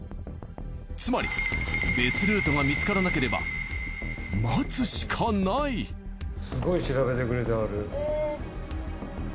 つまり別ルートが見つからなければすごい調べてくれてはる。